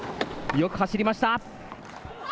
よく走りました。